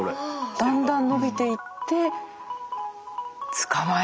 だんだん伸びていって捕まえると。